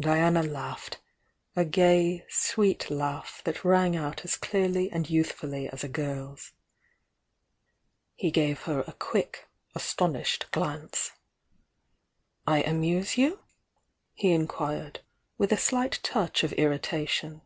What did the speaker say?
Diana laughed — a gay, sweet laugh that rang out as clearly and youthfully as a girl's. He gave her a quick, astonished glance. "I amuse you?" he inquired, with a slight touch of irritation.